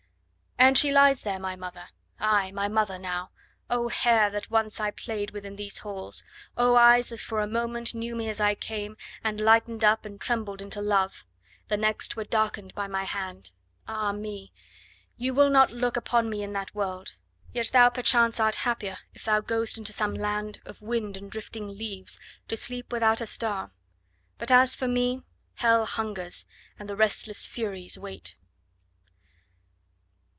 ...... And she lies there, My mother! ay, my mother now; O hair That once I play'd with in these halls! O eyes That for a moment knew me as I came, And lighten'd up, and trembled into love; The next were darkened by my hand! Ah me! Ye will not look upon me in that world. Yet thou, perchance, art happier, if thou go'st Into some land of wind and drifting leaves, To sleep without a star; but as for me, Hell hungers, and the restless Furies wait.